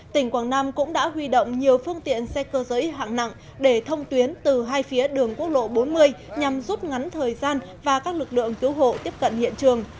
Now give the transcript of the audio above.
tỉnh quảng nam cũng đã huy động nhiều phương tiện xe cơ giới hạng nặng để thông tuyến từ hai phía đường quốc lộ bốn mươi nhằm rút ngắn thời gian và các lực lượng cứu hộ tiếp cận hiện trường